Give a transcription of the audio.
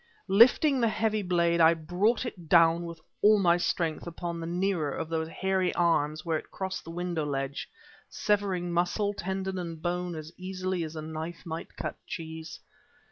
Lifting the heavy blade, I brought it down with all my strength upon the nearer of those hairy arms where it crossed the window ledge, severing muscle, tendon and bone as easily as a knife might cut cheese....